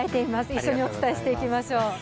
一緒にお伝えしていきましょう。